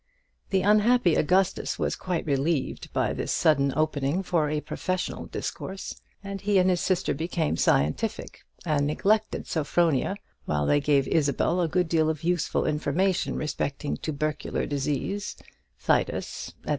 The unhappy Augustus was quite relieved by this sudden opening for a professional discourse, and he and his sister became scientific, and neglected Sophronia, while they gave Isabel a good deal of useful information respecting tubercular disease, phthisis, &c.